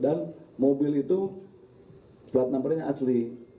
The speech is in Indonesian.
dan mobil itu plat number nya asli